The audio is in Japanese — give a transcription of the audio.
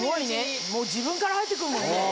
もう自分から入ってくるもんね。